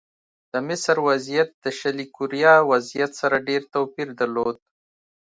د مصر وضعیت د شلي کوریا وضعیت سره ډېر توپیر درلود.